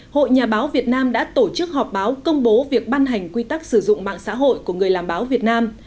hội nhà báo việt nam đã tổ chức họp báo công bố việc ban hành quy tắc sử dụng mạng xã hội của người làm báo việt nam